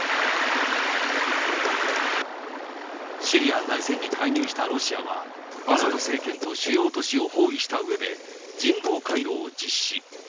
シリア内戦に介入したロシアは、アサド政権と主要都市を包囲したうえで、人道回廊を実施。